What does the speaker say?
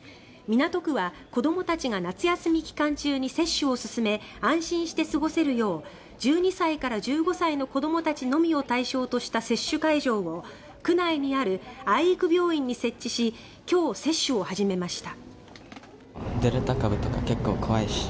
港区は子どもたちが夏休み期間中に接種を進め安心して過ごせるよう１２歳から１５歳の子どもたちのみを対象とした接種会場を区内にある愛育病院に設置し今日、接種を始めました。